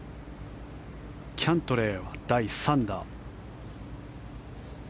キャントレーは第３打。